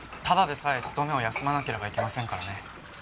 ただでさえ勤めを休まなければいけませんからね。